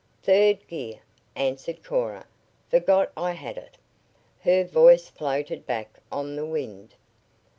"Third gear," answered Cora. "Forgot I had it." Her voice floated back on the wind.